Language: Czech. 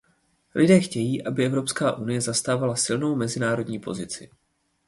Lidé chtějí, aby Evropská unie zastávala silnou mezinárodní pozici.